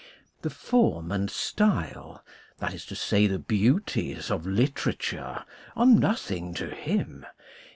The form and style, that is to say, the beauties of literature, are nothing to him.